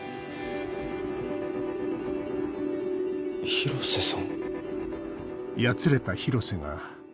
・広瀬さん。